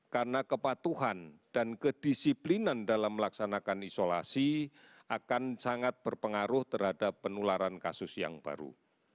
karena kepatuhan dan kedisiplinan dalam melaksanakan isolasi akan sangat berpengaruh terhadap penularan kasus yang baru